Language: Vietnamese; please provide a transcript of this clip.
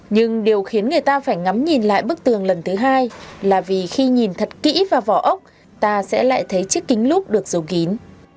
nhưng điều khiến người ta phải ngắm nhìn lại bức tường lần thứ hai là vì khi nhìn thật kỹ vào vỏ ốc ta sẽ lại thấy chiếc kính lúc được dầu kín